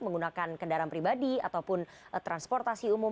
menggunakan kendaraan pribadi ataupun transportasi umum